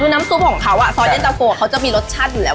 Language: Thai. น้ำซุปของเขาอ่ะซอสเย็นเต้าโกะเขาจะมีรสชาติอยู่แล้วอ่ะ